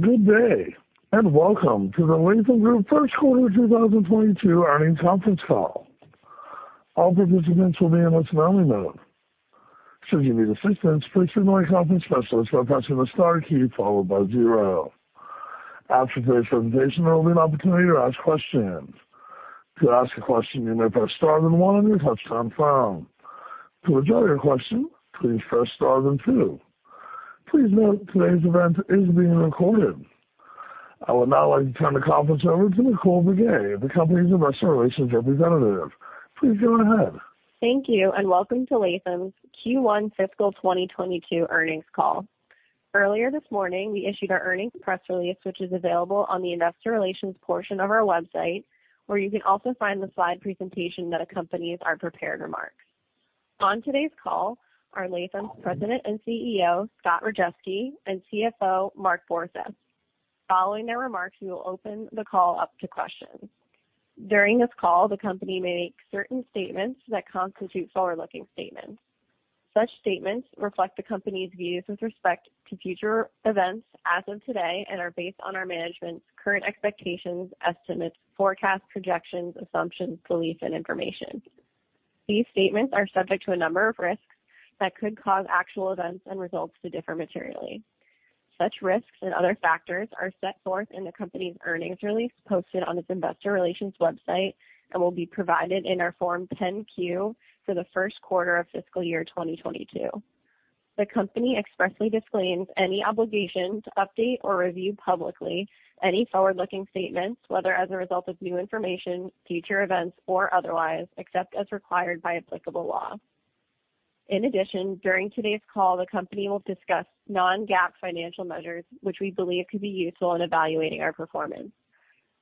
Good day, and welcome to the Latham Group First Quarter 2022 Earnings Conference Call. All participants will be in a listen-only mode. Should you need assistance, please signal a conference specialist by pressing the star key followed by zero. After today's presentation, there will be an opportunity to ask questions. To ask a question, you may press star then one on your touch-tone phone. To withdraw your question, please press star then two. Please note today's event is being recorded. I would now like to turn the conference over to Nicole Briguet, the company's investor relations representative. Please go ahead. Thank you, and welcome to Latham's Q1 fiscal 2022 earnings call. Earlier this morning, we issued our earnings press release, which is available on the investor relations portion of our website, where you can also find the slide presentation that accompanies our prepared remarks. On today's call are Latham's President and CEO, Scott Rajeski, and CFO, Mark Borseth. Following their remarks, we will open the call up to questions. During this call, the company may make certain statements that constitute forward-looking statements. Such statements reflect the company's views with respect to future events as of today and are based on our management's current expectations, estimates, forecasts, projections, assumptions, beliefs, and information. These statements are subject to a number of risks that could cause actual events and results to differ materially. Such risks and other factors are set forth in the company's earnings release posted on its investor relations website and will be provided in our Form 10-Q for the first quarter of fiscal year 2022. The company expressly disclaims any obligation to update or review publicly any forward-looking statements, whether as a result of new information, future events, or otherwise, except as required by applicable law. In addition, during today's call, the company will discuss non-GAAP financial measures, which we believe could be useful in evaluating our performance.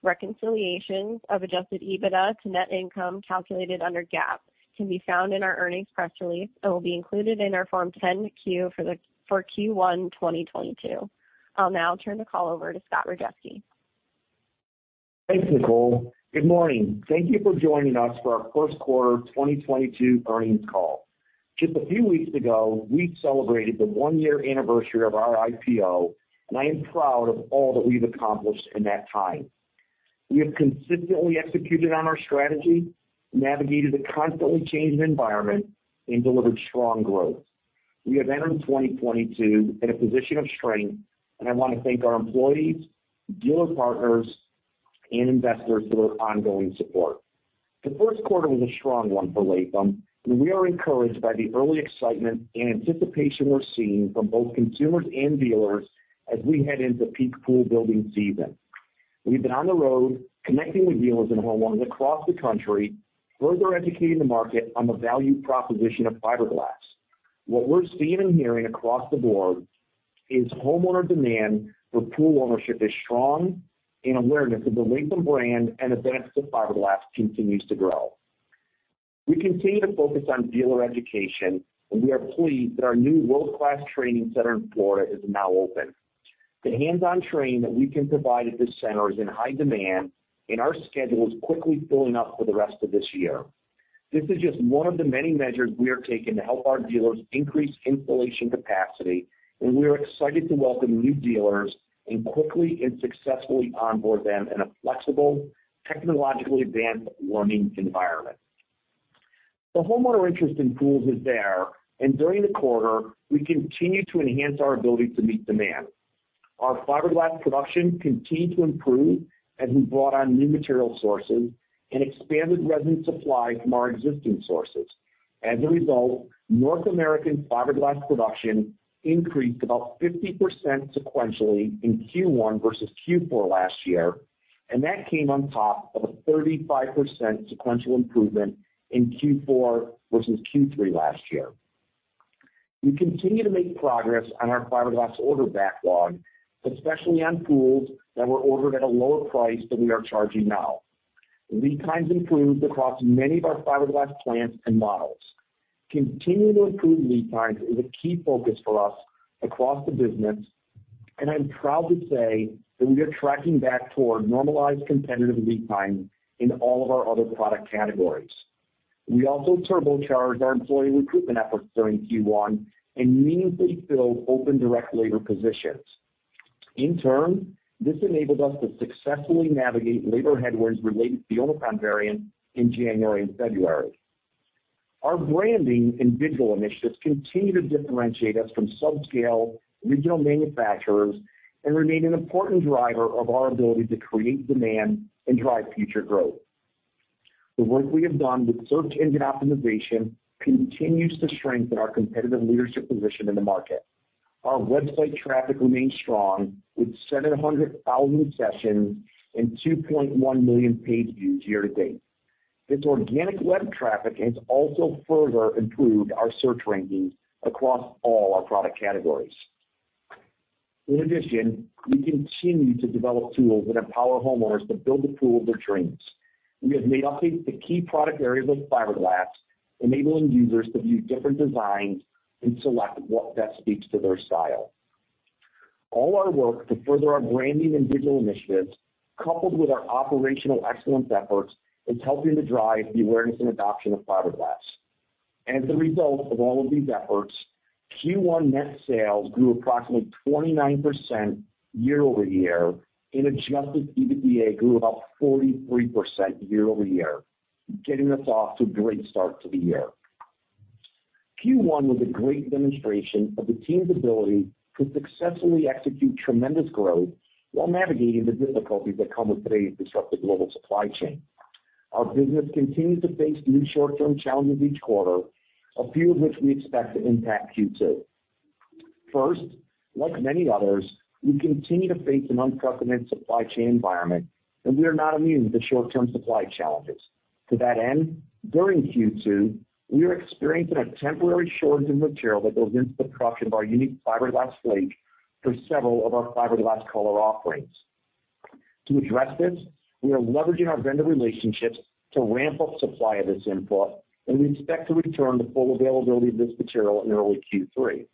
Reconciliations of adjusted EBITDA to net income calculated under GAAP can be found in our earnings press release and will be included in our Form 10-Q for Q1 2022. I'll now turn the call over to Scott Rajeski. Thanks, Nicole. Good morning. Thank you for joining us for our first quarter 2022 earnings call. Just a few weeks ago, we celebrated the one-year anniversary of our IPO, and I am proud of all that we've accomplished in that time. We have consistently executed on our strategy, navigated a constantly changing environment, and delivered strong growth. We have entered 2022 in a position of strength, and I wanna thank our employees, dealer partners, and investors for their ongoing support. The first quarter was a strong one for Latham, and we are encouraged by the early excitement and anticipation we're seeing from both consumers and dealers as we head into peak pool building season. We've been on the road connecting with dealers and homeowners across the country, further educating the market on the value proposition of fiberglass. What we're seeing and hearing across the board is homeowner demand for pool ownership is strong, and awareness of the Latham brand and advanced fiberglass continues to grow. We continue to focus on dealer education, and we are pleased that our new world-class training center in Florida is now open. The hands-on training that we can provide at this center is in high demand, and our schedule is quickly filling up for the rest of this year. This is just one of the many measures we are taking to help our dealers increase installation capacity, and we are excited to welcome new dealers and quickly and successfully onboard them in a flexible, technologically advanced learning environment. The homeowner interest in pools is there, and during the quarter, we continued to enhance our ability to meet demand. Our fiberglass production continued to improve as we brought on new material sources and expanded resin supply from our existing sources. As a result, North American fiberglass production increased about 50% sequentially in Q1 versus Q4 last year, and that came on top of a 35% sequential improvement in Q4 versus Q3 last year. We continue to make progress on our fiberglass order backlog, especially on pools that were ordered at a lower price than we are charging now. Lead times improved across many of our fiberglass plants and models. Continuing to improve lead times is a key focus for us across the business, and I'm proud to say that we are tracking back toward normalized competitive lead times in all of our other product categories. We also turbocharged our employee recruitment efforts during Q1 and meaningfully filled open direct labor positions. In turn, this enabled us to successfully navigate labor headwinds related to the Omicron variant in January and February. Our branding and digital initiatives continue to differentiate us from subscale regional manufacturers and remain an important driver of our ability to create demand and drive future growth. The work we have done with search engine optimization continues to strengthen our competitive leadership position in the market. Our website traffic remains strong, with 700,000 sessions and 2.1 million page views year to date. This organic web traffic has also further improved our search rankings across all our product categories. In addition, we continue to develop tools that empower homeowners to build the pool of their dreams. We have made updates to key product areas like fiberglass, enabling users to view different designs and select what best speaks to their style. All our work to further our branding and digital initiatives, coupled with our operational excellence efforts, is helping to drive the awareness and adoption of fiberglass. As a result of all of these efforts, Q1 net sales grew approximately 29% year-over-year, and adjusted EBITDA grew about 43% year-over-year, getting us off to a great start to the year. Q1 was a great demonstration of the team's ability to successfully execute tremendous growth while navigating the difficulties that come with today's disruptive global supply chain. Our business continues to face new short-term challenges each quarter, a few of which we expect to impact Q2. First, like many others, we continue to face an unprecedented supply chain environment, and we are not immune to short-term supply challenges. To that end, during Q2, we are experiencing a temporary shortage of material that goes into the production of our unique fiberglass flake for several of our fiberglass color offerings. To address this, we are leveraging our vendor relationships to ramp up supply of this input, and we expect to return to full availability of this material in early Q3.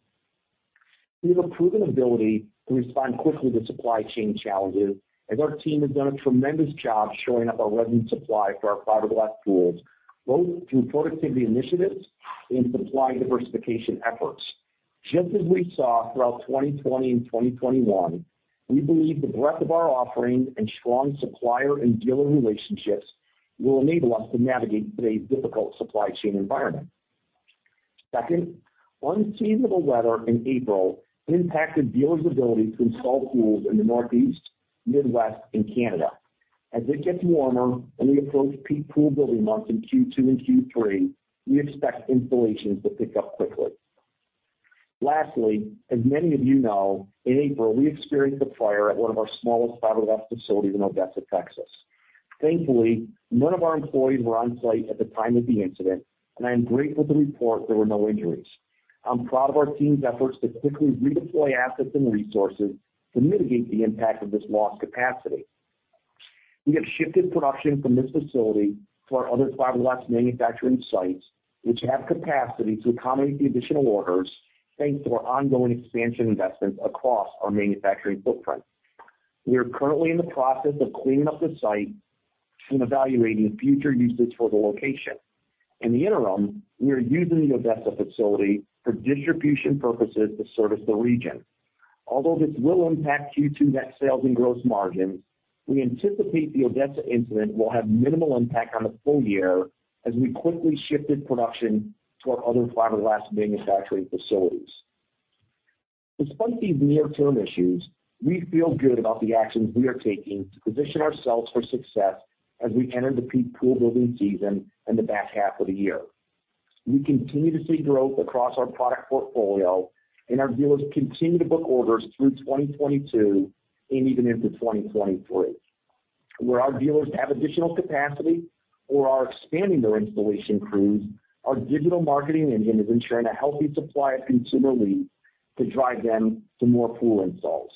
We have a proven ability to respond quickly to supply chain challenges, as our team has done a tremendous job shoring up our resin supply for our fiberglass pools, both through productivity initiatives and supply diversification efforts. Just as we saw throughout 2020 and 2021, we believe the breadth of our offerings and strong supplier and dealer relationships will enable us to navigate today's difficult supply chain environment. Second, unseasonable weather in April impacted dealers' ability to install pools in the Northeast, Midwest, and Canada. As it gets warmer and we approach peak pool building months in Q2 and Q3, we expect installations to pick up quickly. Lastly, as many of you know, in April, we experienced a fire at one of our smallest fiberglass facilities in Odessa, Texas. Thankfully, none of our employees were on-site at the time of the incident, and I am grateful to report there were no injuries. I'm proud of our team's efforts to quickly redeploy assets and resources to mitigate the impact of this lost capacity. We have shifted production from this facility to our other fiberglass manufacturing sites, which have capacity to accommodate the additional orders, thanks to our ongoing expansion investments across our manufacturing footprint. We are currently in the process of cleaning up the site and evaluating future usage for the location. In the interim, we are using the Odessa facility for distribution purposes to service the region. Although this will impact Q2 net sales and gross margin, we anticipate the Odessa incident will have minimal impact on the full year as we quickly shifted production to our other fiberglass manufacturing facilities. Despite these near-term issues, we feel good about the actions we are taking to position ourselves for success as we enter the peak pool building season in the back half of the year. We continue to see growth across our product portfolio, and our dealers continue to book orders through 2022 and even into 2023. Where our dealers have additional capacity or are expanding their installation crews, our digital marketing engine is ensuring a healthy supply of consumer leads to drive them to more pool installs.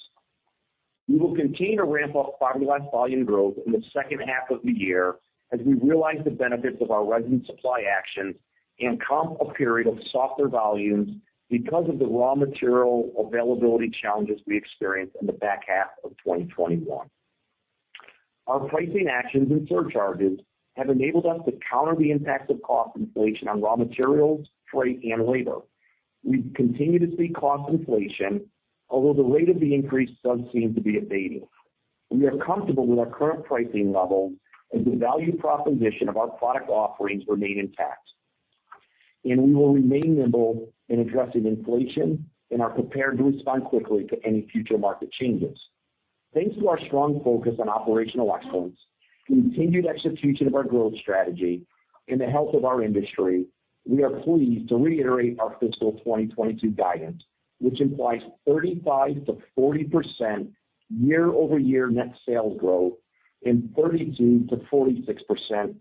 We will continue to ramp up fiberglass volume growth in the second half of the year as we realize the benefits of our resin supply actions and comp a period of softer volumes because of the raw material availability challenges we experienced in the back half of 2021. Our pricing actions and surcharges have enabled us to counter the impacts of cost inflation on raw materials, freight, and labor. We continue to see cost inflation, although the rate of the increase does seem to be abating. We are comfortable with our current pricing levels as the value proposition of our product offerings remain intact, and we will remain nimble in addressing inflation and are prepared to respond quickly to any future market changes. Thanks to our strong focus on operational excellence, continued execution of our growth strategy, and the health of our industry, we are pleased to reiterate our fiscal 2022 guidance, which implies 35%-40% year-over-year net sales growth and 32%-46%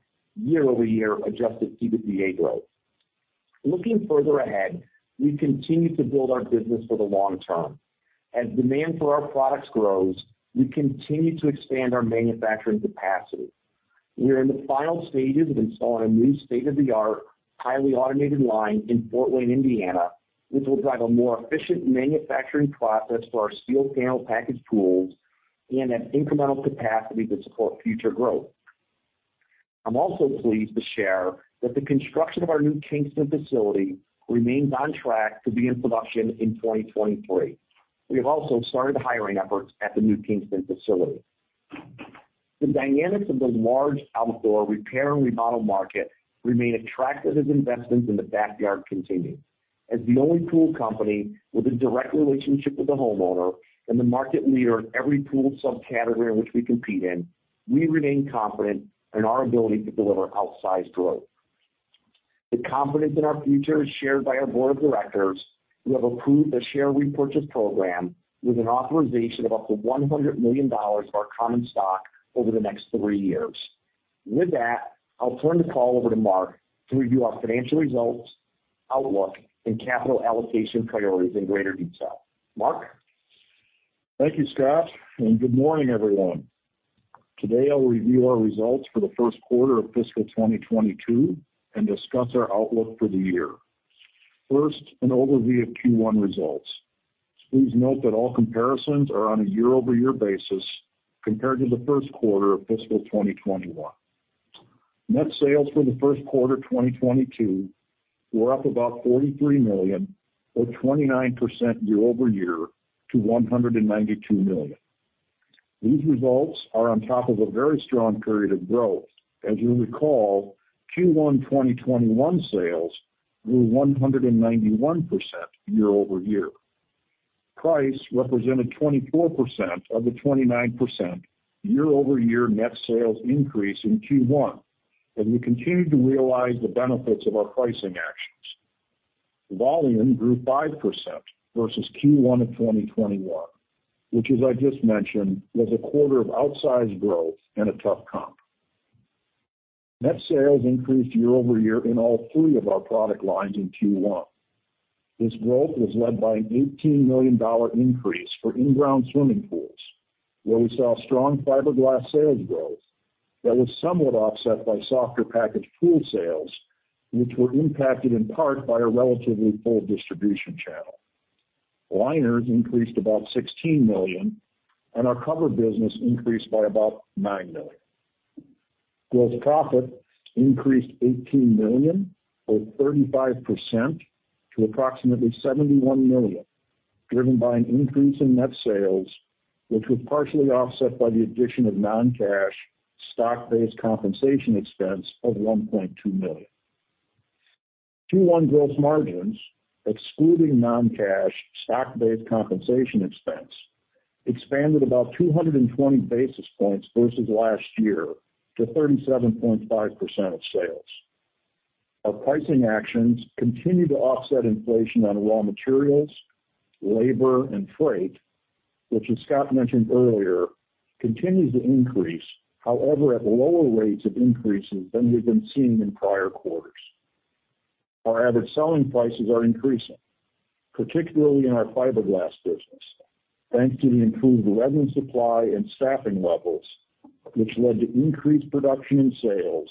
year-over-year adjusted EBITDA growth. Looking further ahead, we continue to build our business for the long term. As demand for our products grows, we continue to expand our manufacturing capacity. We are in the final stages of installing a new state-of-the-art, highly automated line in Fort Wayne, Indiana, which will drive a more efficient manufacturing process for our steel panel package pools and an incremental capacity to support future growth. I'm also pleased to share that the construction of our new Kingston facility remains on track to be in production in 2023. We have also started hiring efforts at the new Kingston facility. The dynamics of the large outdoor repair and remodel market remain attractive as investments in the backyard continue. As the only pool company with a direct relationship with the homeowner and the market leader in every pool subcategory in which we compete in, we remain confident in our ability to deliver outsized growth. The confidence in our future is shared by our board of directors, who have approved a share repurchase program with an authorization of up to $100 million of our common stock over the next three years. With that, I'll turn the call over to Mark to review our financial results, outlook, and capital allocation priorities in greater detail. Mark? Thank you, Scott, and good morning, everyone. Today, I'll review our results for the first quarter of fiscal 2022 and discuss our outlook for the year. First, an overview of Q1 results. Please note that all comparisons are on a year-over-year basis compared to the first quarter of fiscal 2021. Net sales for the first quarter 2022 were up about $43 million or 29% year over year to $192 million. These results are on top of a very strong period of growth. As you'll recall, Q1 2021 sales grew 191% year over year. Price represented 24% of the 29% year over year net sales increase in Q1 as we continued to realize the benefits of our pricing actions. Volume grew 5% versus Q1 of 2021, which, as I just mentioned, was a quarter of outsized growth and a tough comp. Net sales increased year over year in all three of our product lines in Q1. This growth was led by an $18 million increase for in-ground swimming pools, where we saw strong fiberglass sales growth that was somewhat offset by softer packaged pool sales, which were impacted in part by a relatively full distribution channel. Liners increased about $16 million, and our cover business increased by about $9 million. Gross profit increased $18 million or 35% to approximately $71 million, driven by an increase in net sales, which was partially offset by the addition of non-cash stock-based compensation expense of $1.2 million. Q1 gross margins, excluding non-cash stock-based compensation expense, expanded about 220 basis points versus last year to 37.5% of sales. Our pricing actions continued to offset inflation on raw materials, labor, and freight, which as Scott mentioned earlier, continues to increase, however, at lower rates of increases than we've been seeing in prior quarters. Our average selling prices are increasing, particularly in our fiberglass business, thanks to the improved resin supply and staffing levels, which led to increased production and sales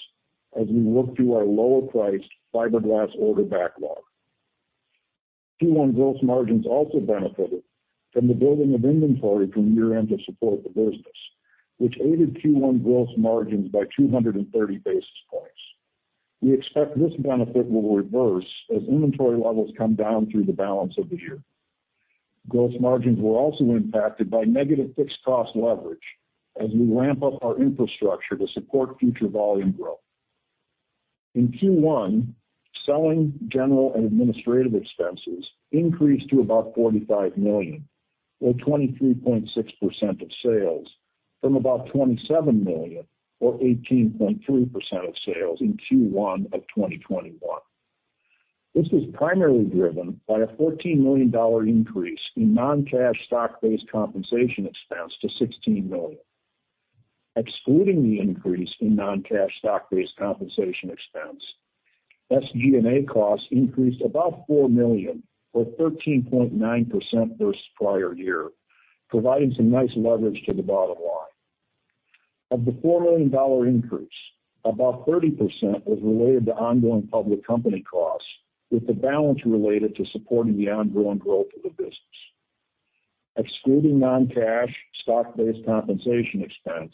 as we work through our lower-priced fiberglass order backlog. Q1 gross margins also benefited from the building of inventory from year-end to support the business, which aided Q1 gross margins by 230 basis points. We expect this benefit will reverse as inventory levels come down through the balance of the year. Gross margins were also impacted by negative fixed cost leverage as we ramp up our infrastructure to support future volume growth. In Q1, selling general and administrative expenses increased to about $45 million or 23.6% of sales from about $27 million or 18.3% of sales in Q1 of 2021. This was primarily driven by a $14 million increase in non-cash stock-based compensation expense to $16 million. Excluding the increase in non-cash stock-based compensation expense, SG&A costs increased about $4 million or 13.9% versus prior year, providing some nice leverage to the bottom line. Of the $4 million increase, about 30% was related to ongoing public company costs, with the balance related to supporting the ongoing growth of the business. Excluding non-cash stock-based compensation expense,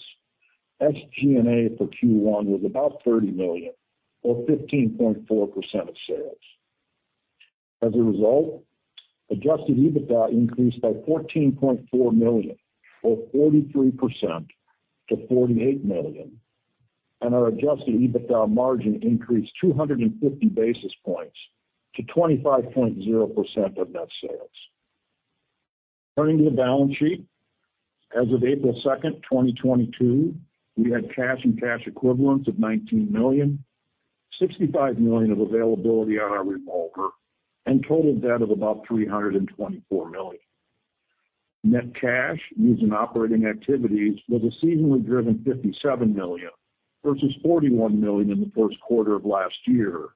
SG&A for Q1 was about $30 million or 15.4% of sales. As a result, adjusted EBITDA increased by $14.4 million or 43% to $48 million, and our adjusted EBITDA margin increased 250 basis points to 25.0% of net sales. Turning to the balance sheet. As of April 2, 2022, we had cash and cash equivalents of $19 million, $65 million of availability on our revolver, and total debt of about $324 million. Net cash used in operating activities was a seasonally driven $57 million, versus $41 million in the first quarter of last year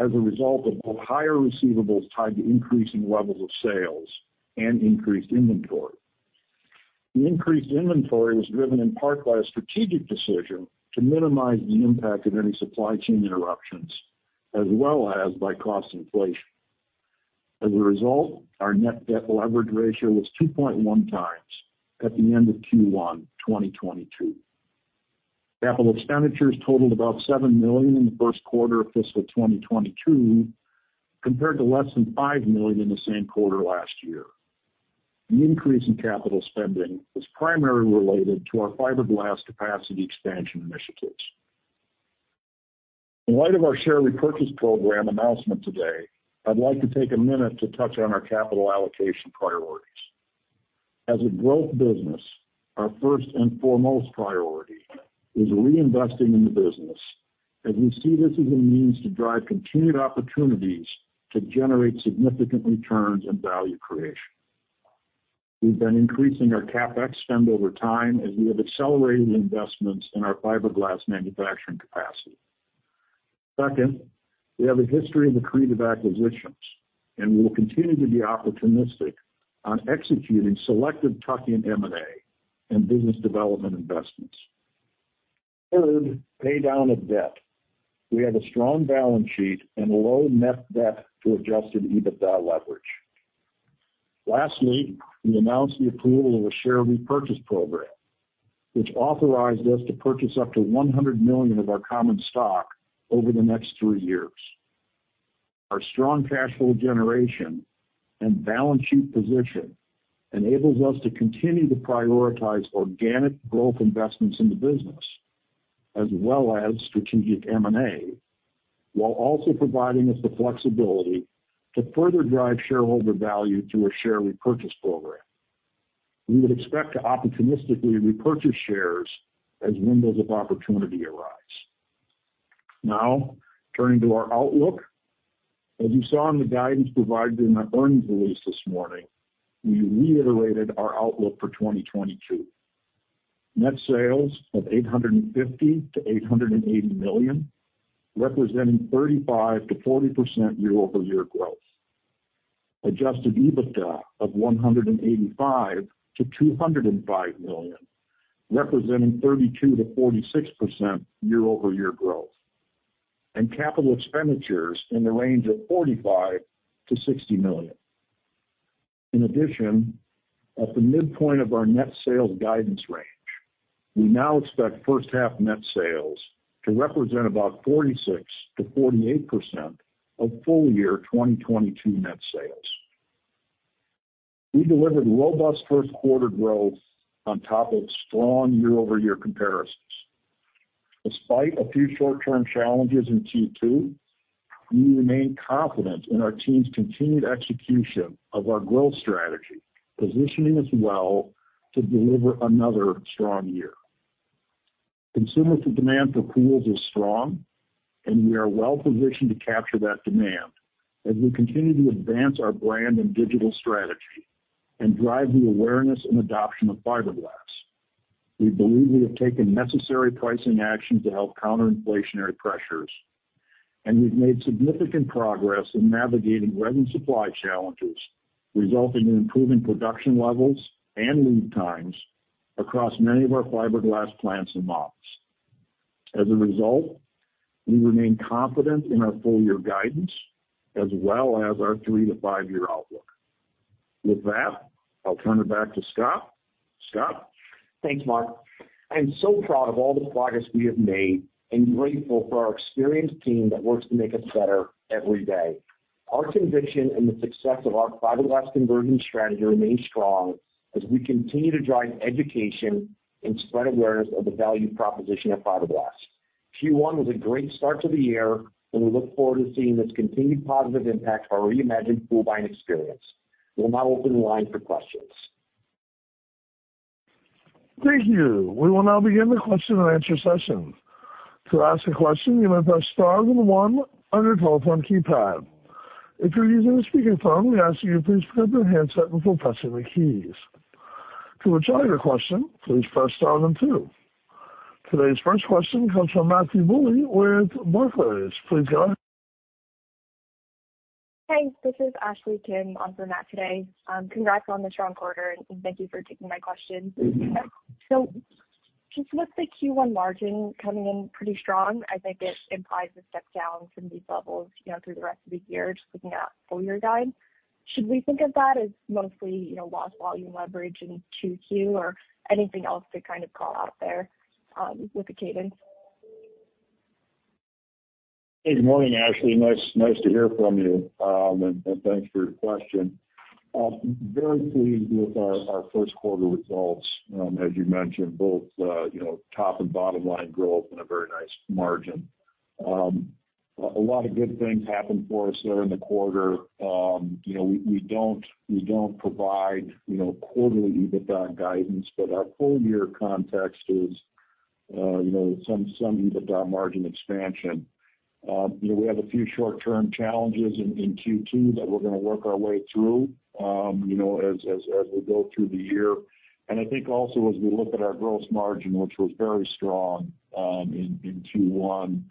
as a result of higher receivables tied to increasing levels of sales and increased inventory. The increased inventory was driven in part by a strategic decision to minimize the impact of any supply chain interruptions as well as by cost inflation. As a result, our net debt leverage ratio was 2.1 times at the end of Q1 2022. Capital expenditures totaled about $7 million in the first quarter of fiscal 2022 compared to less than $5 million in the same quarter last year. The increase in capital spending was primarily related to our fiberglass capacity expansion initiatives. In light of our share repurchase program announcement today, I'd like to take a minute to touch on our capital allocation priorities. As a growth business, our first and foremost priority is reinvesting in the business as we see this as a means to drive continued opportunities to generate significant returns and value creation. We've been increasing our CapEx spend over time as we have accelerated the investments in our fiberglass manufacturing capacity. Second, we have a history of accretive acquisitions, and we will continue to be opportunistic on executing selective tuck-in M&A and business development investments. Third, pay down of debt. We have a strong balance sheet and low net debt to adjusted EBITDA leverage. Lastly, we announced the approval of a share repurchase program, which authorized us to purchase up to 100 million of our common stock over the next 3 years. Our strong cash flow generation and balance sheet position enables us to continue to prioritize organic growth investments in the business as well as strategic M&A, while also providing us the flexibility to further drive shareholder value through a share repurchase program. We would expect to opportunistically repurchase shares as windows of opportunity arise. Now turning to our outlook. As you saw in the guidance provided in our earnings release this morning, we reiterated our outlook for 2022. Net sales of $850 million-$880 million, representing 35%-40% year-over-year growth. Adjusted EBITDA of $185 million-$205 million, representing 32%-46% year-over-year growth. Capital expenditures in the range of $45 million-$60 million. In addition, at the midpoint of our net sales guidance range, we now expect first half net sales to represent about 46%-48% of full year 2022 net sales. We delivered robust first quarter growth on top of strong year-over-year comparisons. Despite a few short-term challenges in Q2, we remain confident in our team's continued execution of our growth strategy, positioning us well to deliver another strong year. Consumer demand for pools is strong, and we are well positioned to capture that demand as we continue to advance our brand and digital strategy and drive the awareness and adoption of fiberglass. We believe we have taken necessary pricing action to help counter inflationary pressures, and we've made significant progress in navigating resin supply challenges, resulting in improving production levels and lead times across many of our fiberglass plants and ops. As a result, we remain confident in our full-year guidance as well as our three- to five-year outlook. With that, I'll turn it back to Scott. Scott? Thanks, Mark. I'm so proud of all the progress we have made and grateful for our experienced team that works to make us better every day. Our conviction in the success of our fiberglass conversion strategy remains strong as we continue to drive education and spread awareness of the value proposition of fiberglass. Q1 was a great start to the year, and we look forward to seeing this continued positive impact of our reimagined pool buying experience. We'll now open the line for questions. Thank you. We will now begin the question and answer session. To ask a question, you may press star then one on your telephone keypad. If you're using a speakerphone, we ask that you please pick up your handset before pressing the keys. To withdraw your question, please press star then two. Today's first question comes from Matthew Bouley with Barclays. Please go ahead. Hey, this is Ashley Kim on for Matt today. Congrats on the strong quarter, and thank you for taking my question. Just with the Q1 margin coming in pretty strong, I think it implies a step down from these levels, you know, through the rest of the year, just looking at full year guide. Should we think of that as mostly, you know, lost volume leverage in 2Q or anything else to kind of call out there, with the cadence? Good morning, Ashley. Nice to hear from you, and thanks for your question. Very pleased with our first quarter results. As you mentioned, both you know, top and bottom line growth and a very nice margin. A lot of good things happened for us there in the quarter. You know, we don't provide you know, quarterly EBITDA guidance. Our full year context is you know, some EBITDA margin expansion. You know, we have a few short-term challenges in Q2 that we're gonna work our way through you know, as we go through the year. I think also as we look at our gross margin, which was very strong in Q1,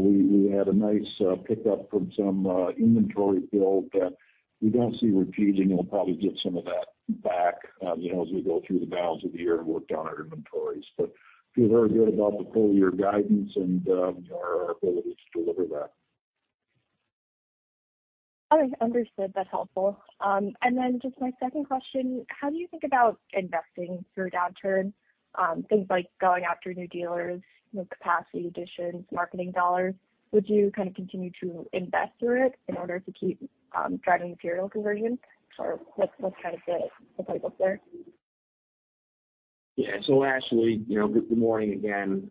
we had a nice pick up from some inventory build that we don't see repeating, and we'll probably give some of that back, you know, as we go through the balance of the year and work down our inventories. Feel very good about the full year guidance and, you know, our ability to deliver that. All right. Understood. That's helpful. Just my second question. How do you think about investing through downturn? Things like going after new dealers, you know, capacity additions, marketing dollars. Would you kind of continue to invest through it in order to keep driving material conversion? Or what's kind of the playbook there? Yeah. Ashley, you know, good morning again.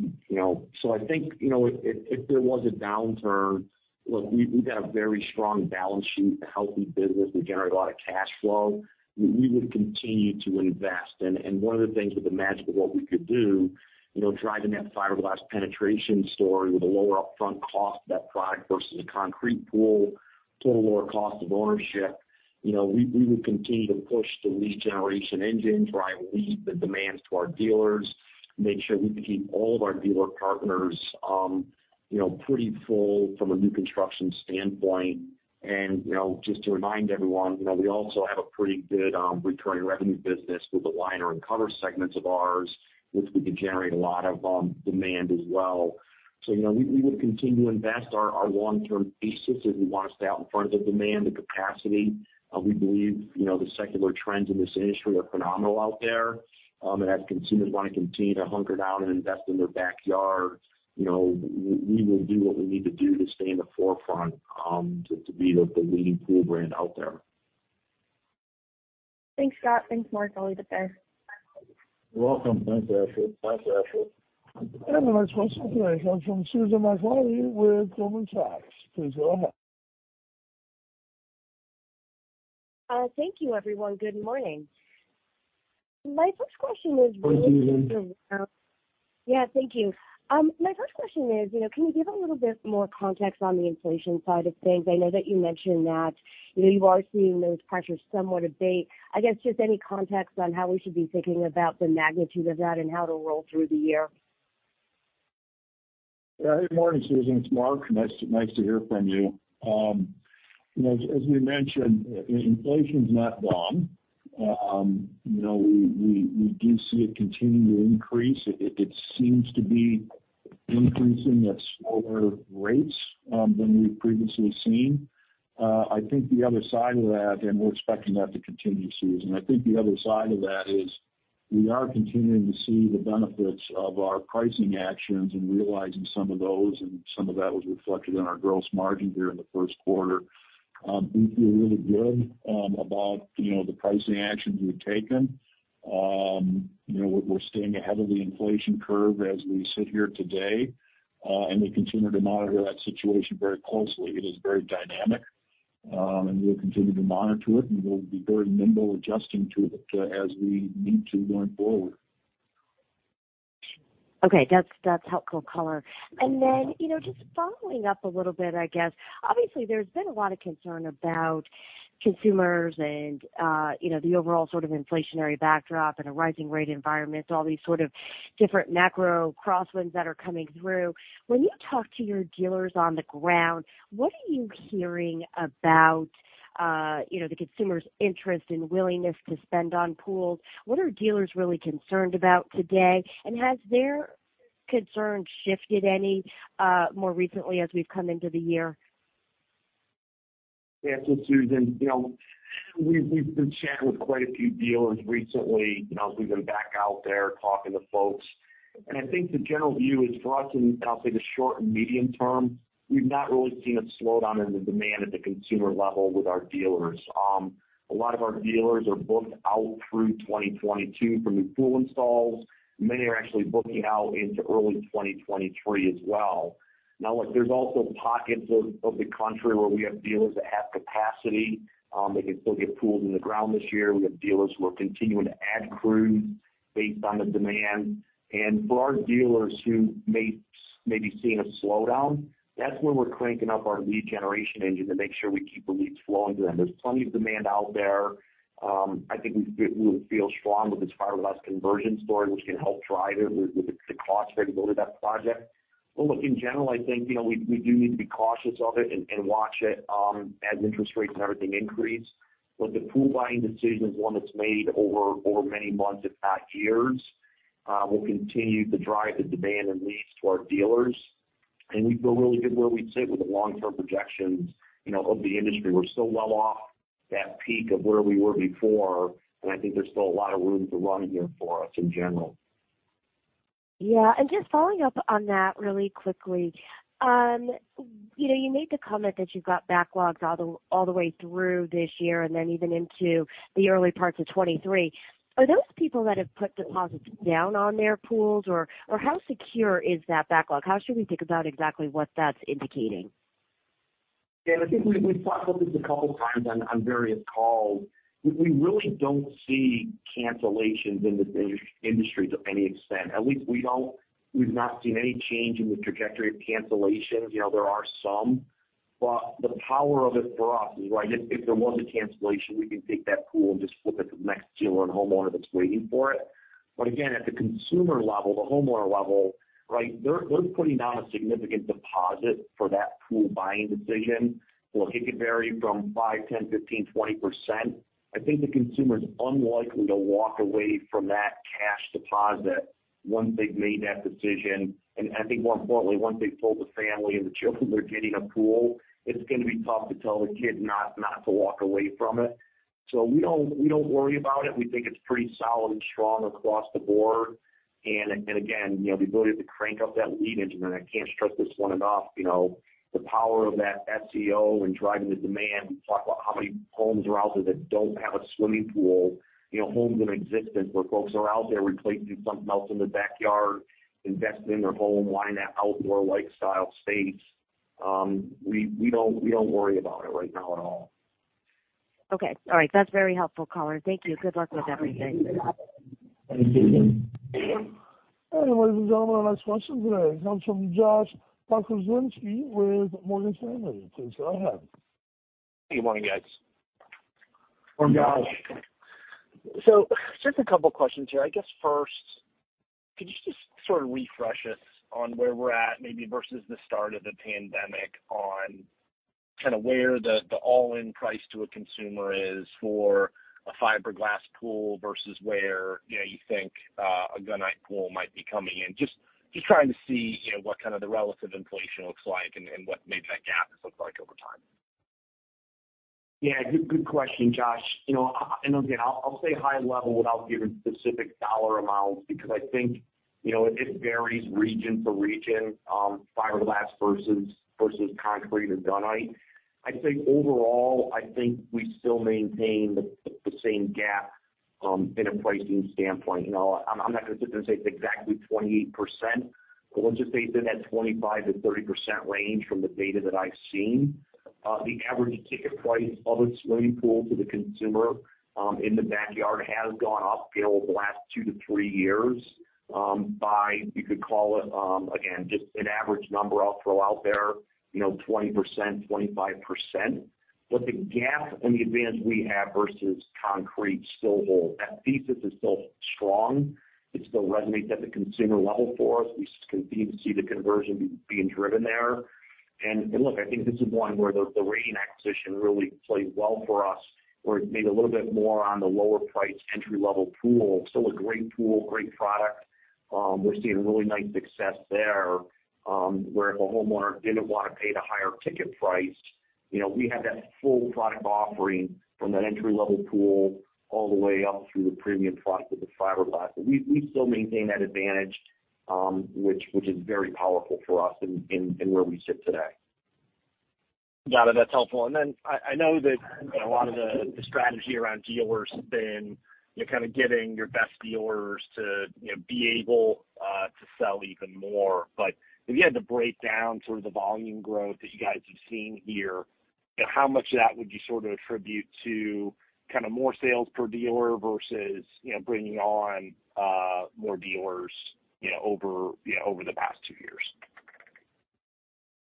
You know, I think, you know, if there was a downturn, look, we've got a very strong balance sheet, a healthy business. We generate a lot of cash flow. We would continue to invest. One of the things with the magic of what we could do, you know, driving that fiberglass penetration story with a lower upfront cost of that product versus a concrete pool, total lower cost of ownership. You know, we will continue to push the lead generation engine, drive leads, the demand to our dealers, make sure we can keep all of our dealer partners, you know, pretty full from a new construction standpoint. You know, just to remind everyone, you know, we also have a pretty good recurring revenue business with the liner and cover segments of ours, which we can generate a lot of demand as well. You know, we would continue to invest our long-term thesis as we wanna stay out in front of the demand, the capacity. We believe, you know, the secular trends in this industry are phenomenal out there. As consumers wanna continue to hunker down and invest in their backyard, you know, we will do what we need to do to stay in the forefront, to be the leading pool brand out there. Thanks, Scott. Thanks, Mark. I'll leave it there. You're welcome. Thanks, Ashley. The next question today comes from Susan Maklari with Goldman Sachs. Please go ahead. Thank you, everyone. Good morning. My first question is really. Good morning. Yeah. Thank you. My first question is, you know, can you give a little bit more context on the inflation side of things? I know that you mentioned that, you know, you are seeing those pressures somewhat abate. I guess, just any context on how we should be thinking about the magnitude of that and how to roll through the year. Yeah. Good morning, Susan. It's Mark. Nice to hear from you. As we mentioned, inflation's not gone. We do see it continue to increase. It seems to be increasing at slower rates than we've previously seen. I think the other side of that, and we're expecting that to continue, Susan. I think the other side of that is we are continuing to see the benefits of our pricing actions and realizing some of those, and some of that was reflected in our gross margin here in the first quarter. We feel really good about the pricing actions we've taken. We're staying ahead of the inflation curve as we sit here today, and we continue to monitor that situation very closely. It is very dynamic, and we'll continue to monitor it, and we'll be very nimble adjusting to it, as we need to going forward. Okay. That's helpful color. You know, just following up a little bit, I guess. Obviously, there's been a lot of concern about consumers and, you know, the overall sort of inflationary backdrop and a rising rate environment, all these sort of different macro crosswinds that are coming through. When you talk to your dealers on the ground, what are you hearing about, you know, the consumer's interest and willingness to spend on pools? What are dealers really concerned about today? Has their concern shifted any, more recently as we've come into the year? Yeah. Susan, you know, we've been chatting with quite a few dealers recently, you know, as we've been back out there talking to folks. I think the general view is for us in, I'll say the short and medium term, we've not really seen a slowdown in the demand at the consumer level with our dealers. A lot of our dealers are booked out through 2022 for new pool installs. Many are actually booking out into early 2023 as well. Now look, there's also pockets of the country where we have dealers that have capacity, they can still get pools in the ground this year. We have dealers who are continuing to add crew based on the demand. For our dealers who may be seeing a slowdown, that's where we're cranking up our lead generation engine to make sure we keep the leads flowing to them. There's plenty of demand out there. I think we feel strong with this fiberglass conversion story, which can help drive it with the cost variability of that project. Look, in general, I think, you know, we do need to be cautious of it and watch it as interest rates and everything increase. The pool buying decision is one that's made over many months, if not years. We'll continue to drive the demand and leads to our dealers. We feel really good where we sit with the long-term projections, you know, of the industry. We're still well off that peak of where we were before, and I think there's still a lot of room to run here for us in general. Yeah. Just following up on that really quickly. You know, you made the comment that you've got backlogs all the way through this year and then even into the early parts of 2023. Are those people that have put deposits down on their pools or how secure is that backlog? How should we think about exactly what that's indicating? Yeah. I think we've talked about this a couple times on various calls. We really don't see cancellations in this industry to any extent. At least we've not seen any change in the trajectory of cancellations. You know, there are some, but the power of it for us is, right, if there was a cancellation, we can take that pool and just flip it to the next dealer and homeowner that's waiting for it. But again, at the consumer level, the homeowner level, right? They're putting down a significant deposit for that pool buying decision. Look, it could vary from 5%, 10%, 15%, 20%. I think the consumer's unlikely to walk away from that cash deposit once they've made that decision. I think more importantly, once they've told the family and the children they're getting a pool, it's gonna be tough to tell the kid not to walk away from it. So we don't worry about it. We think it's pretty solid and strong across the board. Again, you know, the ability to crank up that lead engine, I can't stress this one enough. You know, the power of that SEO and driving the demand. We talk about how many homes are out there that don't have a swimming pool. You know, homes that existed, where folks are out there replacing something else in the backyard, investing in their home, wanting that outdoor lifestyle space. We don't worry about it right now at all. Okay. All right. That's very helpful color. Thank you. Good luck with everything. Hey, ladies and gentlemen, our next question today comes from Josh Pokrzywinski with Morgan Stanley. Please go ahead. Good morning, guys. Good morning, Josh. Just a couple questions here. I guess, first, could you just sort of refresh us on where we're at maybe versus the start of the pandemic on kind of where the all-in price to a consumer is for a fiberglass pool versus where, you know, you think a gunite pool might be coming in. Just trying to see, you know, what kind of the relative inflation looks like and what maybe that gap looks like over time. Yeah, good question, Josh. You know, and again, I'll stay high level without giving specific dollar amounts because I think, you know, it varies region to region, fiberglass versus concrete or gunite. I'd say overall, I think we still maintain the same gap in a pricing standpoint. You know, I'm not gonna sit there and say it's exactly 28%, but let's just say it's in that 25%-30% range from the data that I've seen. The average ticket price of a swimming pool to the consumer in the backyard has gone up, you know, over the last two-three years by, you could call it, again, just an average number I'll throw out there, you know, 20%, 25%. But the gap and the advantage we have versus concrete still hold. That thesis is still strong. It still resonates at the consumer level for us. We continue to see the conversion being driven there. Look, I think this is one where the Radiant acquisition really played well for us, where it made a little bit more on the lower priced entry-level pool. Still a great pool, great product. We're seeing really nice success there, where if a homeowner didn't wanna pay the higher ticket price, you know, we have that full product offering from that entry-level pool all the way up through the premium product of the fiberglass. We still maintain that advantage, which is very powerful for us in where we sit today. Got it. That's helpful. I know that, you know, a lot of the strategy around dealers has been, you know, kind of getting your best dealers to, you know, be able to sell even more. If you had to break down sort of the volume growth that you guys have seen here, you know, how much of that would you sort of attribute to kind of more sales per dealer versus, you know, bringing on more dealers, you know, over the past two years?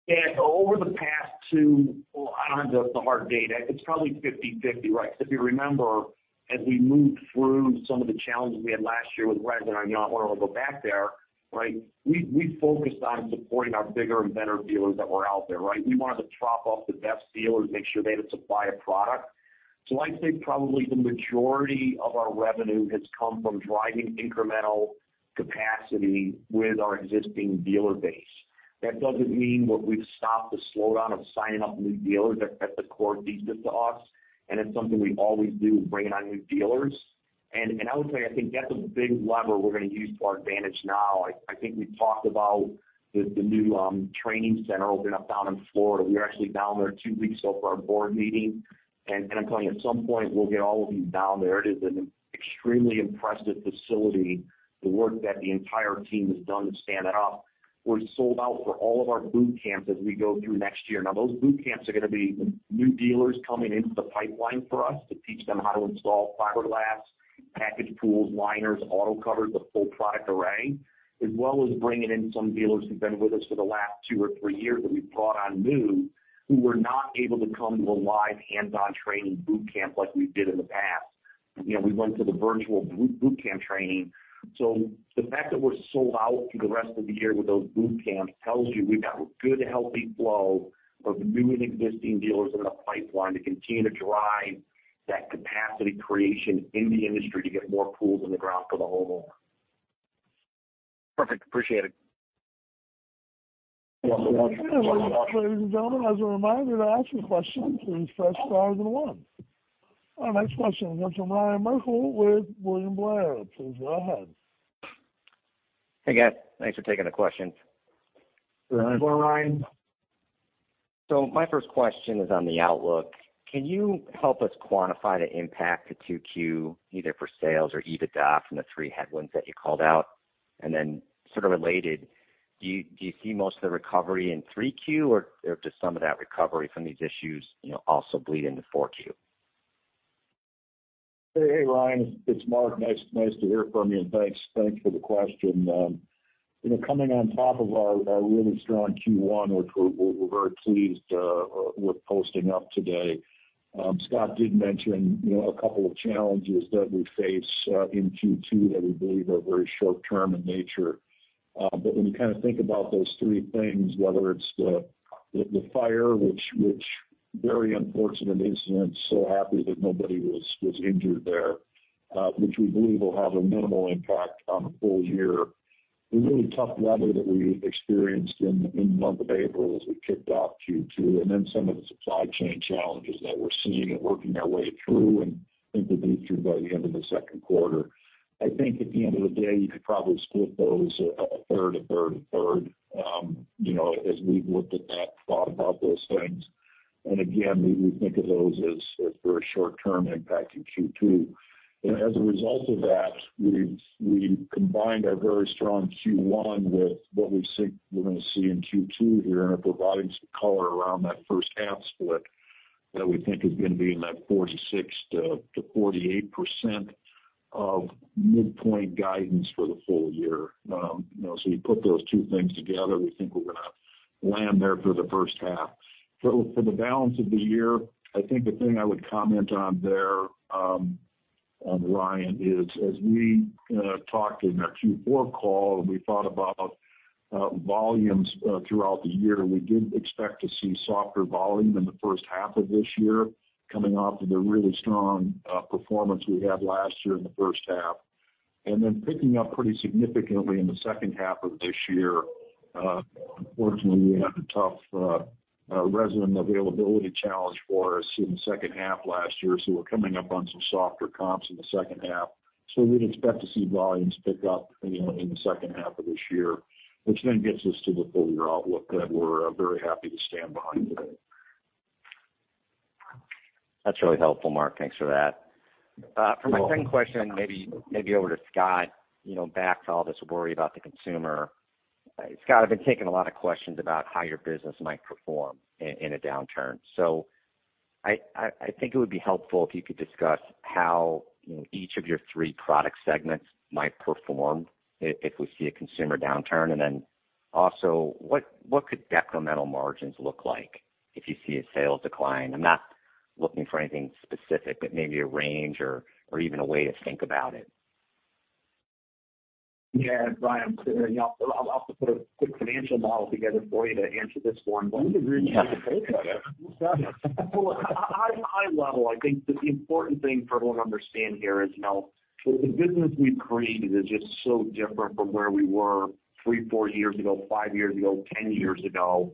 Yeah. Over the past two. Well, I don't have the hard data. It's probably 50/50, right? If you remember, as we moved through some of the challenges we had last year with resin, and I don't wanna go back there, right? We focused on supporting our bigger and better dealers that were out there, right? We wanted to prop up the best dealers, make sure they had a supply of product. I'd say probably the majority of our revenue has come from driving incremental capacity with our existing dealer base. That doesn't mean that we've stopped the slowdown of signing up new dealers. At the core, it's the thesis to us, and it's something we always do, bring on new dealers. I would say, I think that's a big lever we're gonna use to our advantage now. I think we've talked about the new training center opening up down in Florida. We're actually down there two weeks ago for our board meeting. I'm telling you, at some point we'll get all of you down there. It is an extremely impressive facility, the work that the entire team has done to stand that up. We're sold out for all of our boot camps as we go through next year. Now, those boot camps are gonna be new dealers coming into the pipeline for us to teach them how to install fiberglass, package pools, liners, auto covers, the full product array, as well as bringing in some dealers who've been with us for the last two or three years that we've brought on new, who were not able to come to a live hands-on training boot camp like we did in the past. You know, we went to the virtual boot camp training. The fact that we're sold out through the rest of the year with those boot camps tells you we've got good, healthy flow of new and existing dealers in the pipeline to continue to drive that capacity creation in the industry to get more pools in the ground for the homeowner. Perfect. Appreciate it. Ladies and gentlemen, as a reminder to ask a question, please press star then one. Our next question comes from Ryan Merkel with William Blair. Please go ahead. Hey, guys. Thanks for taking the questions. Go ahead, Ryan. My first question is on the outlook. Can you help us quantify the impact to 2Q, either for sales or EBITDA from the three headwinds that you called out? Then sort of related, do you see most of the recovery in 3Q or does some of that recovery from these issues, you know, also bleed into 4Q? Hey, Ryan, it's Mark. Nice to hear from you, and thanks for the question. You know, coming on top of our really strong Q1, which we're very pleased with posting up today. Scott did mention, you know, a couple of challenges that we face in Q2 that we believe are very short term in nature. When you kind of think about those three things, whether it's the fire, which very unfortunate incident, so happy that nobody was injured there, which we believe will have a minimal impact on the full year. The really tough weather that we experienced in the month of April as we kicked off Q2, and then some of the supply chain challenges that we're seeing and working our way through and think we'll be through by the end of the second quarter. I think at the end of the day, you could probably split those a third, a third, a third, you know, as we've looked at that, thought about those things. Again, we think of those as very short term impact in Q2. As a result of that, we've combined our very strong Q1 with what we think we're gonna see in Q2 here, and it provides some color around that first half split. That we think is going to be in that 46%-48% of midpoint guidance for the full year. You know, so you put those two things together, we think we're gonna land there for the first half. For the balance of the year, I think the thing I would comment on there, and Ryan is, as we talked in our Q4 call, we thought about volumes throughout the year. We did expect to see softer volume in the first half of this year, coming off of the really strong performance we had last year in the first half. Picking up pretty significantly in the second half of this year. Unfortunately, we had a tough residential availability challenge for us in the second half last year, so we're coming up on some softer comps in the second half. We'd expect to see volumes pick up, you know, in the second half of this year, which then gets us to the full year outlook that we're very happy to stand behind today. That's really helpful, Mark. Thanks for that. You're welcome. For my second question, maybe over to Scott. You know, back to all this worry about the consumer. Scott, I've been taking a lot of questions about how your business might perform in a downturn. I think it would be helpful if you could discuss how, you know, each of your three product segments might perform if we see a consumer downturn. Then also, what could decremental margins look like if you see a sales decline? I'm not looking for anything specific, but maybe a range or even a way to think about it. Yeah, Ryan, I'll have to put a quick financial model together for you to answer this one. I think we have the same kind of. Well, high level, I think the important thing for everyone to understand here is, you know, the business we've created is just so different from where we were three, four years ago, five years ago, 10 years ago.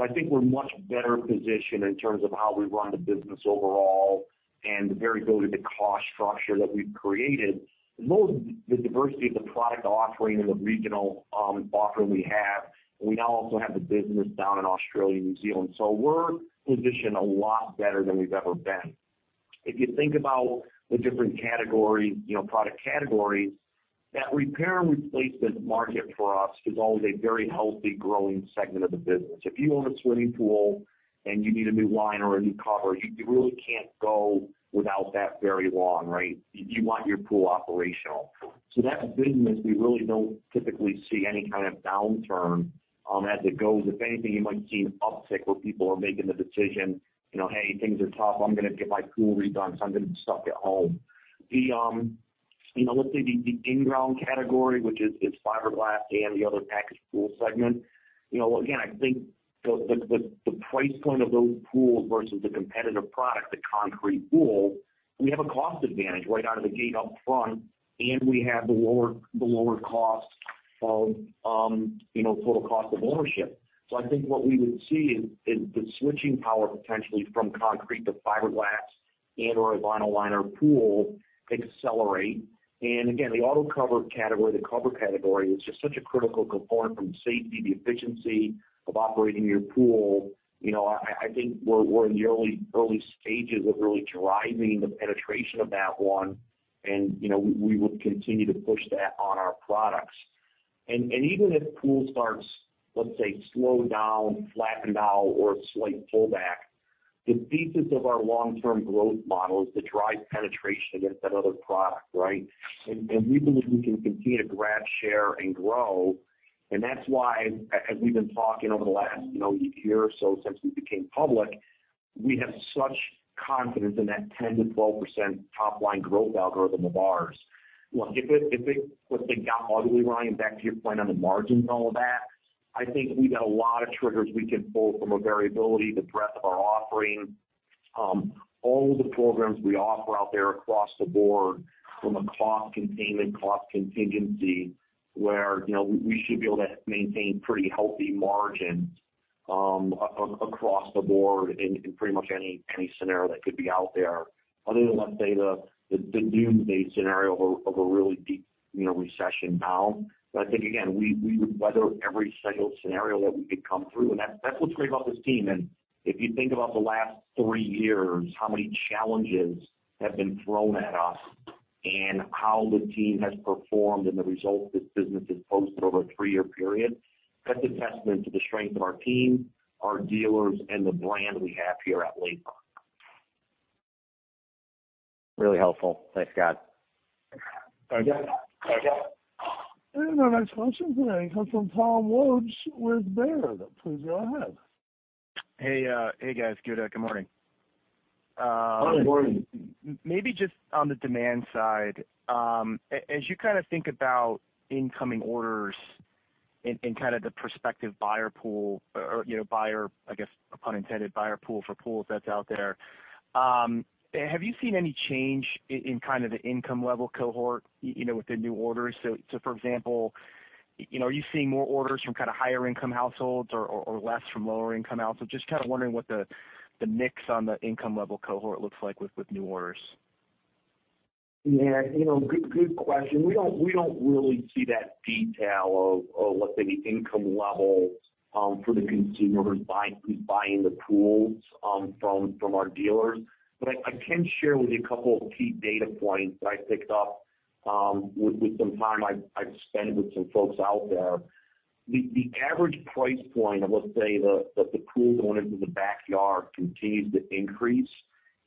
I think we're much better positioned in terms of how we run the business overall and the variability of the cost structure that we've created. Most of the diversity of the product offering and the regional offering we have, we now also have the business down in Australia and New Zealand. We're positioned a lot better than we've ever been. If you think about the different category, you know, product categories, that repair and replacement market for us is always a very healthy, growing segment of the business. If you own a swimming pool and you need a new liner or a new cover, you really can't go without that very long, right? You want your pool operational. That business, we really don't typically see any kind of downturn as it goes. If anything, you might see an uptick where people are making the decision, you know, Hey, things are tough. I'm going to get my pool redone, so I'm going to be stuck at home. Let's say the in-ground category, which is fiberglass and the other packaged pool segment. Again, I think the price point of those pools versus the competitive product, the concrete pool, we have a cost advantage right out of the gate up front, and we have the lower cost of total cost of ownership. I think what we would see is the switching power potentially from concrete to fiberglass and/or a vinyl liner pool accelerate. Again, the auto cover category, the cover category is just such a critical component from safety, the efficiency of operating your pool. You know, I think we're in the early stages of really driving the penetration of that one. You know, we would continue to push that on our products. Even if pool starts, let's say, slow down, flatten out or a slight pullback, the thesis of our long-term growth model is to drive penetration against that other product, right? We believe we can continue to grab share and grow. That's why, as we've been talking over the last, you know, year or so since we became public, we have such confidence in that 10%-12% top-line growth algorithm of ours. Look, if it, let's say, got ugly, Ryan, back to your point on the margins and all of that, I think we got a lot of triggers we can pull from a variability, the breadth of our offering, all the programs we offer out there across the board from a cost containment, cost contingency, where, you know, we should be able to maintain pretty healthy margins, across the board in pretty much any scenario that could be out there, other than, let's say, the doomsday scenario of a really deep, you know, recession downturn. I think, again, we would weather every single scenario that we could come through. That's what's great about this team. If you think about the last three years, how many challenges have been thrown at us and how the team has performed and the results this business has posted over a three-year period, that's a testament to the strength of our team, our dealers, and the brand we have here at Latham. Really helpful. Thanks, Scott. Our next question today comes from Timothy Wojs with Baird. Please go ahead. Good morning. Maybe just on the demand side, as you kind of think about incoming orders and kind of the prospective buyer pool or, you know, buyer, I guess, pun intended, buyer pool for pools that's out there, have you seen any change in kind of the income level cohort, you know, with the new orders? So for example, you know, are you seeing more orders from kind of higher income households or less from lower income households? Just kind of wondering what the mix on the income level cohort looks like with new orders. Yeah, you know, good question. We don't really see that detail of let's say the income level for the consumers buying the pools from our dealers. I can share with you a couple of key data points that I picked up with some time I've spent with some folks out there. The average price point of, let's say, the pool going into the backyard continues to increase.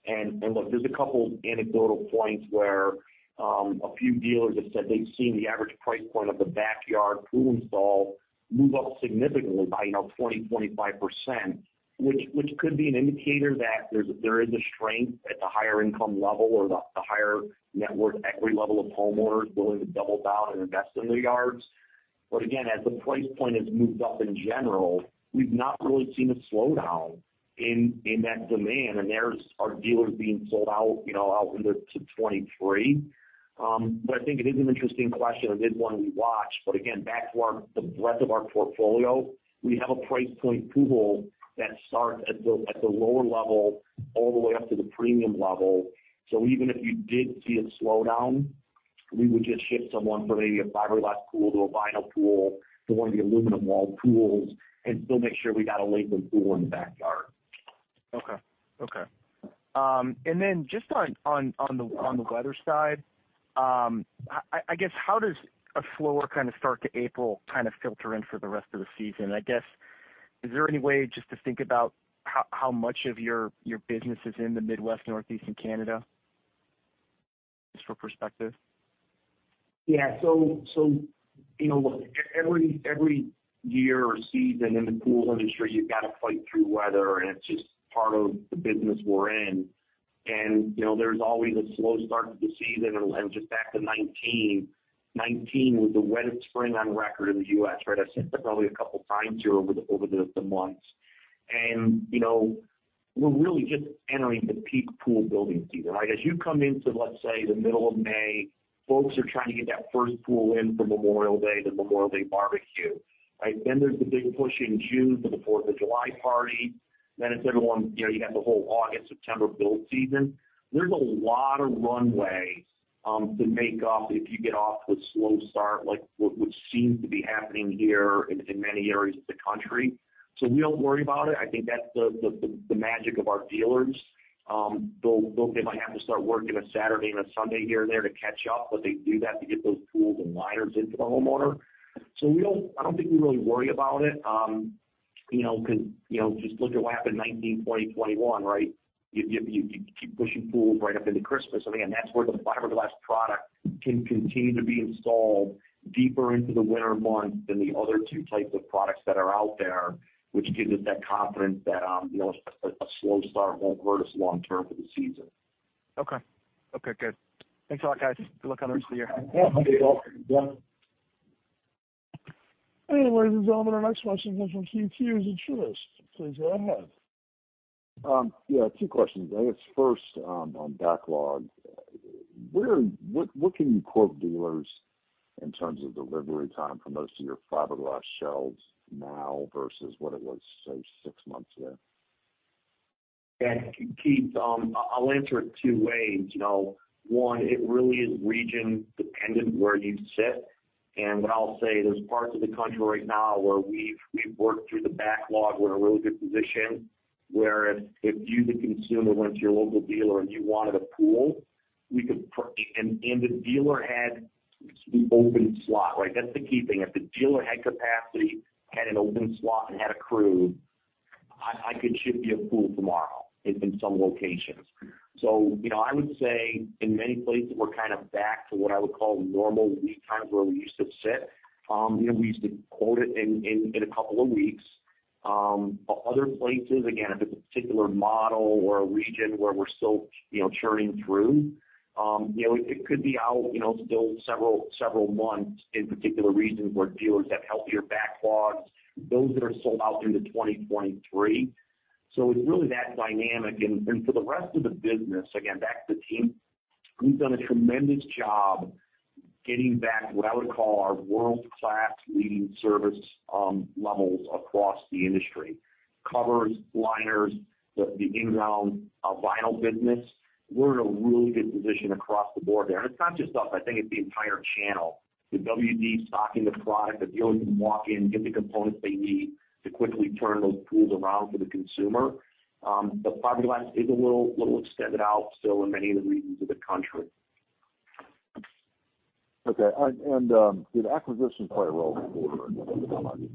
Look, there's a couple anecdotal points where a few dealers have said they've seen the average price point of the backyard pool install move up significantly by, you know, 20%-25%, which could be an indicator that there is a strength at the higher income level or the higher net worth equity level of homeowners willing to double down and invest in their yards. Again, as the price point has moved up in general, we've not really seen a slowdown in that demand. There's our dealers being sold out, you know, out into 2023. I think it is an interesting question and it is one we watch. Again, back to the breadth of our portfolio, we have a price point pool that starts at the lower level all the way up to the premium level. Even if you did see a slowdown, we would just shift someone from a fiberglass pool to a vinyl pool to one of the aluminum wall pools and still make sure we got a Latham pool in the backyard. Okay. Just on the weather side, I guess how does a slower kind of start to April kind of filter in for the rest of the season? I guess, is there any way just to think about how much of your business is in the Midwest, Northeast, and Canada? Just for perspective. Yeah. You know, look, every year or season in the pool industry, you've got to fight through weather, and it's just part of the business we're in. You know, there's always a slow start to the season. Just back to 2019 was the wettest spring on record in the U.S., right? I've said that probably a couple times here over the months. You know, we're really just entering the peak pool building season, right? As you come into, let's say, the middle of May, folks are trying to get that first pool in for Memorial Day, the Memorial Day barbecue, right? There's the big push in June for the Fourth of July party. It's everyone, you know, you have the whole August, September build season. There's a lot of runway to make up if you get off to a slow start, like what seems to be happening here in many areas of the country. We don't worry about it. I think that's the magic of our dealers. They might have to start working a Saturday and a Sunday here and there to catch up, but they do that to get those pools and liners into the homeowner. I don't think we really worry about it, you know, because, you know, just look at what happened in 2019, 2020, 2021, right? You keep pushing pools right up into Christmas. Again, that's where the fiberglass product can continue to be installed deeper into the winter months than the other two types of products that are out there, which gives us that confidence that, you know, a slow start won't hurt us long term for the season. Okay. Okay, good. Thanks a lot, guys. Good luck on the rest of your year. Yeah. Thank you. Ladies and gentlemen, our next question comes from Keith Hughes at Truist. Please go ahead. Yeah, two questions. I guess first, on backlog. What can you quote dealers in terms of delivery time for most of your fiberglass shells now versus what it was, say, six months ago? Yeah. Keith, I'll answer it two ways. You know, one, it really is region dependent where you sit. I'll say there's parts of the country right now where we've worked through the backlog. We're in a really good position where if you, the consumer, went to your local dealer and you wanted a pool, we could and the dealer had the open slot, right? That's the key thing. If the dealer had capacity, had an open slot, and had a crew, I could ship you a pool tomorrow in some locations. You know, I would say in many places we're kind of back to what I would call normal lead times where we used to sit. You know, we used to quote it in a couple of weeks. Other places, again, if it's a particular model or a region where we're still, you know, churning through, you know, it could be out, you know, still several months in particular regions where dealers have healthier backlogs, those that are sold out into 2023. It's really that dynamic. For the rest of the business, again, back to the team, we've done a tremendous job getting back what I would call our world-class leading service levels across the industry. Covers, liners, the in-ground vinyl business. We're in a really good position across the board there. It's not just us, I think it's the entire channel. The WD stocking the product, the dealers can walk in, get the components they need to quickly turn those pools around for the consumer. Fiberglass is a little extended out still in many of the regions of the country. Okay. The acquisition's quite relevant for the market.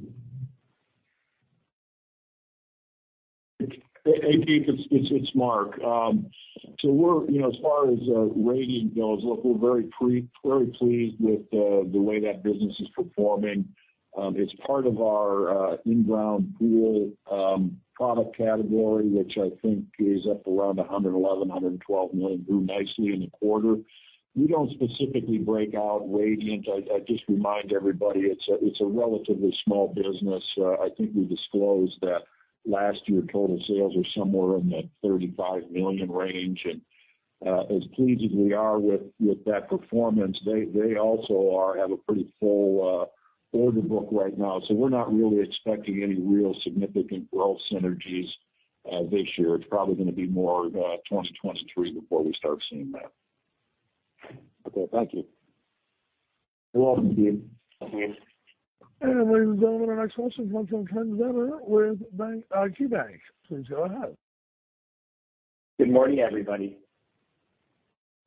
Hey, Keith, it's Mark. So we're, you know, as far as Radiant goes, look, we're very pleased with the way that business is performing. It's part of our in-ground pool product category, which I think is up around $111-$112 million, grew nicely in the quarter. We don't specifically break out Radiant. I just remind everybody it's a relatively small business. I think we disclosed that last year, total sales were somewhere in the $35 million range. As pleased as we are with that performance, they also have a pretty full order book right now. We're not really expecting any real significant growth synergies this year. It's probably gonna be more 2023 before we start seeing that. Okay. Thank you. You're welcome, Keith. Ladies and gentlemen, our next question comes from Ken Zener with KeyBanc. Please go ahead. Good morning, everybody.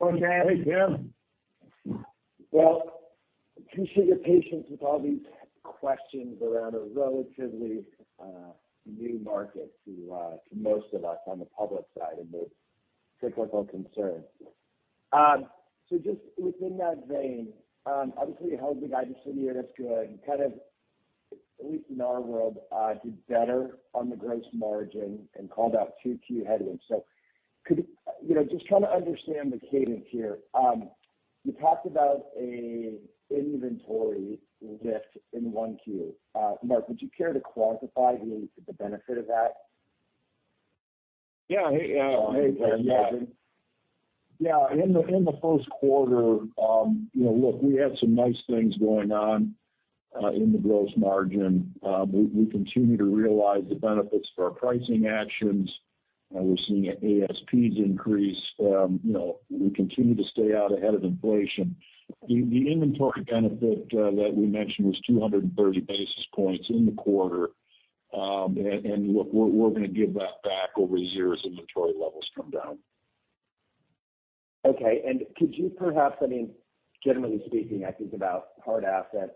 Morning, Ken. Well, appreciate your patience with all these questions around a relatively new market to most of us on the public side and the cyclical concerns. Just within that vein, obviously you held the guidance for the year, that's good. Kind of, at least in our world, did better on the gross margin and called out two key headwinds. You know, just trying to understand the cadence here. You talked about a inventory lift in one Q. Mark, would you care to quantify who did the benefit of that? Yeah. Hey, hey, Ken. Yeah. Yeah. In the first quarter, you know, look, we had some nice things going on in the gross margin. We continue to realize the benefits for our pricing actions, and we're seeing ASPs increase. You know, we continue to stay out ahead of inflation. The inventory benefit that we mentioned was 230 basis points in the quarter. And look, we're gonna give that back over zero as inventory levels come down. Okay. Could you perhaps, I mean, generally speaking, I think about hard assets,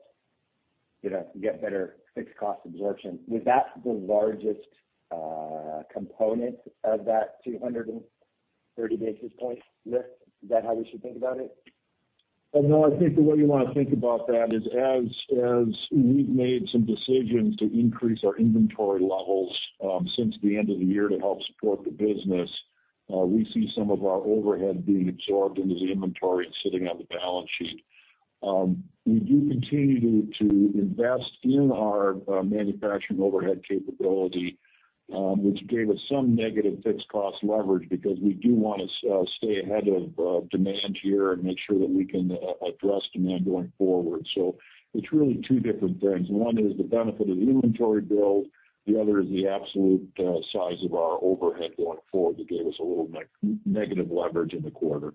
you know, get better fixed cost absorption. Was that the largest component of that 230 basis point lift? Is that how we should think about it? No, I think the way you wanna think about that is as we've made some decisions to increase our inventory levels since the end of the year to help support the business, we see some of our overhead being absorbed into the inventory and sitting on the balance sheet. We do continue to invest in our manufacturing overhead capability, which gave us some negative fixed cost leverage because we do wanna stay ahead of demand here and make sure that we can address demand going forward. It's really two different things. One is the benefit of the inventory build, the other is the absolute size of our overhead going forward that gave us a little negative leverage in the quarter.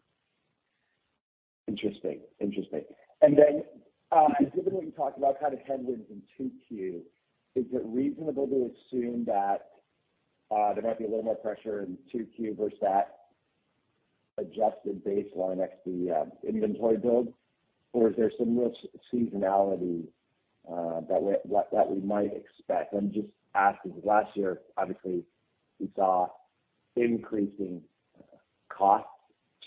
Interesting. Given what you talked about kind of headwinds in 2Q, is it reasonable to assume that there might be a little more pressure in 2Q versus that adjusted baseline next to the inventory build, or is there some more seasonality that we might expect? I'm just asking because last year, obviously we saw increasing costs,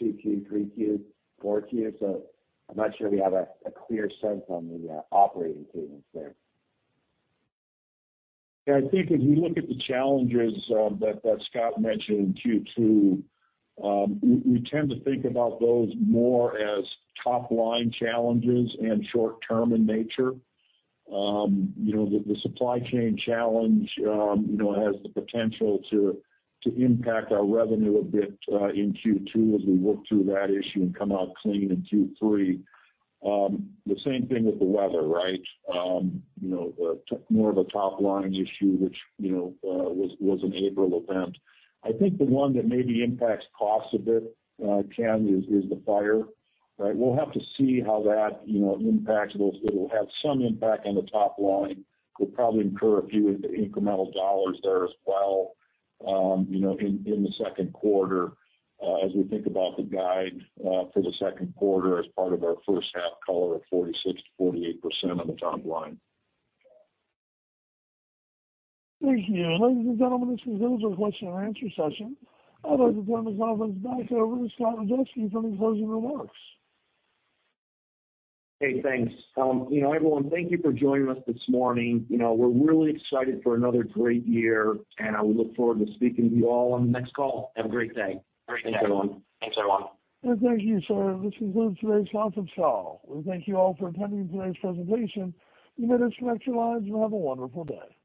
2Q, 3Q, 4Q. I'm not sure we have a clear sense on the operating cadence there. Yeah. I think if you look at the challenges that Scott mentioned in Q2, we tend to think about those more as top line challenges and short term in nature. You know, the supply chain challenge you know has the potential to impact our revenue a bit in Q2 as we work through that issue and come out clean in Q3. The same thing with the weather, right? You know, more of a top line issue, which you know was an April event. I think the one that maybe impacts costs a bit, Cam, is the fire, right? We'll have to see how that you know impacts. It'll have some impact on the top line. We'll probably incur a few incremental dollars there as well, you know, in the second quarter, as we think about the guide, for the second quarter as part of our first half call at 46%-48% on the top line. Thank you. Ladies and gentlemen, this concludes our question and answer session. I'd like to turn the conference back over to Scott Rajeski for any closing remarks. Hey, thanks. You know, everyone, thank you for joining us this morning. You know, we're really excited for another great year, and I would look forward to speaking to you all on the next call. Have a great day. Thanks, everyone. Thank you, sir. This concludes today's conference call. We thank you all for attending today's presentation. You may disconnect your lines and have a wonderful day.